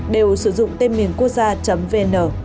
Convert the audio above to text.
đều sử dụng tên miền quốc gia vn